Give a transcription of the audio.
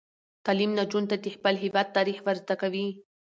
تعلیم نجونو ته د خپل هیواد تاریخ ور زده کوي.